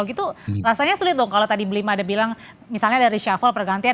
itu rasanya sulit dong kalau tadi blimade bilang misalnya dari syafol pergantian